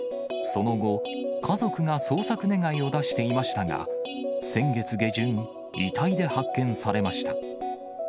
その後、家族が捜索願を出していましたが、先月下旬、遺体で発見されました。